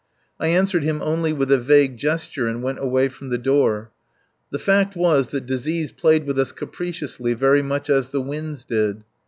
I answered him only with a vague gesture and went away from the door. The fact was that disease played with us capriciously very much as the winds did.